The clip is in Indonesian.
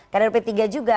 kader p tiga juga